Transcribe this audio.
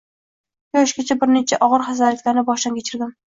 Shu yoshgacha bir necha og`ir xastalaklarni boshdan kechirdim